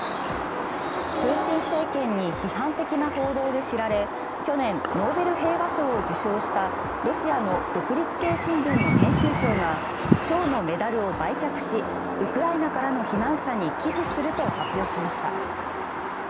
プーチン政権に批判的な報道で知られ去年、ノーベル平和賞を受賞したロシアの独立系新聞の編集長が賞のメダルを売却しウクライナからの避難者に寄付すると発表しました。